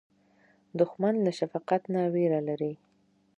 دښمن له شفقت نه وېره لري